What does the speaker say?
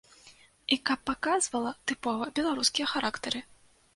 І каб паказвала тыпова беларускія характары.